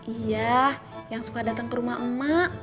iya yang suka datang ke rumah emak emak